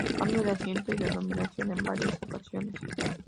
Cambió de asiento y denominación en varias ocasiones.